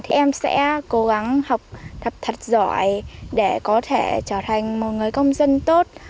thì em sẽ cố gắng học tập thật giỏi để có thể trở thành một người công dân tốt